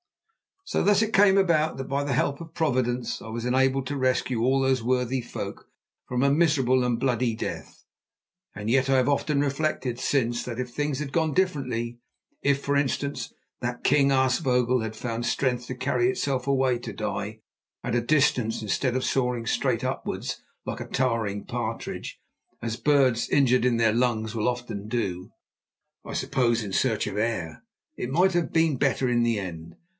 So thus it came about that by the help of Providence I was enabled to rescue all these worthy folk from a miserable and a bloody death. And yet I have often reflected since that if things had gone differently; if, for instance, that king aasvogel had found strength to carry itself away to die at a distance instead of soaring straight upwards like a towering partridge, as birds injured in the lungs will often do—I suppose in search of air—it might have been better in the end.